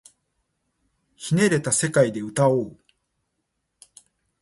捻れた世界で歌おう